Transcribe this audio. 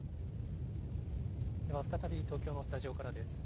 では再び東京のスタジオからです。